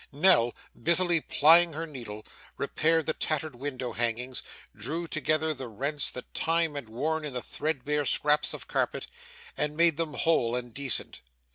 Nell, busily plying her needle, repaired the tattered window hangings, drew together the rents that time had worn in the threadbare scraps of carpet, and made them whole and decent.